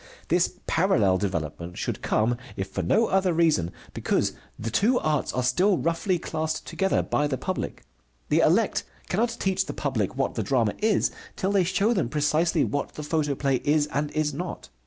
This parallel development should come, if for no other reason, because the two arts are still roughly classed together by the public. The elect cannot teach the public what the drama is till they show them precisely what the photoplay is and is not.